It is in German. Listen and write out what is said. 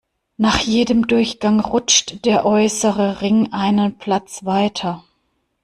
Nach jedem Durchgang rutscht der äußere Ring einen Platz weiter.